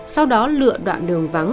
sau đó lựa đoạn đường vắng